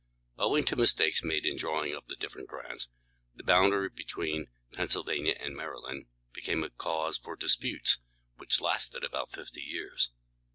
Owing to mistakes made in drawing up the different grants, the boundary between Pennsylvania and Maryland became a cause for disputes which lasted about fifty years.